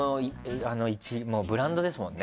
もうブランドですもんね。